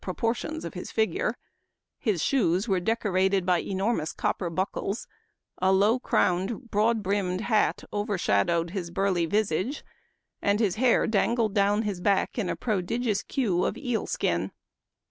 63 proportions of his figure ; his shoes were dec orated by enormous copper buckles ; a low crowned, broad rimmed hat overshadowed his burly visage, and his hair dangled down his back in a prodigious queue of eel skin.